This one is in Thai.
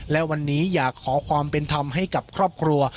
และวันนี้อยากขอความเป็นธรรมให้กับครอบครัว